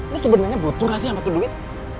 lu sebenernya butuh gak sih amat duit